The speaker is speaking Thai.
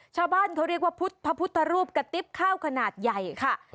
ชาวบ้านเขาเรียกว่าพุทธพระพุทธรูปกระติ๊บข้าวขนาดใหญ่ค่ะ